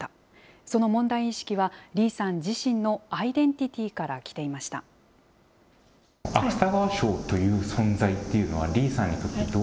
その問題意識は、李さん自身のアイデンティティーから来ていました。